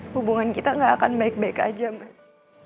hubungan kita gak akan baik baik aja mas